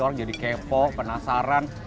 orang jadi kepo penasaran